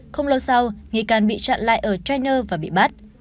không lâu sau nghị can bị chặn lại ở trainer và bị bắt